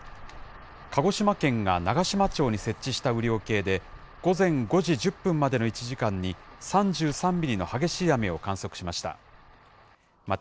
鹿児島県が長島町に設置した雨量計で午前５時１０分までの１時間に、３３ミリの激しい雨を観測しました。